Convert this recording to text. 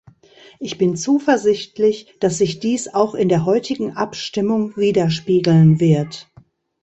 Ich bin zuversichtlich, dass sich dies auch in der heutigen Abstimmung widerspiegeln wird.